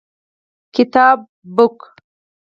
book